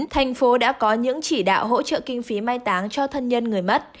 thành phố đã có những chỉ đạo hỗ trợ kinh phí mai táng cho thân nhân người mất